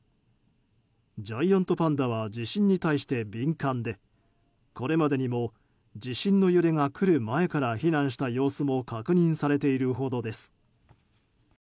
ジャイアントパンダは地震に対して敏感でこれまでにも地震の揺れが来る前から避難した様子も確認されているほどです。